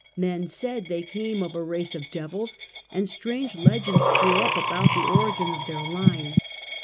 Men said they came of a race of devils, and strange legends grew up about the origin of their line.